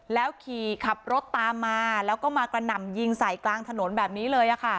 แล้วขี่ขับรถตามมาแล้วก็มากระหน่ำยิงใส่กลางถนนแบบนี้เลย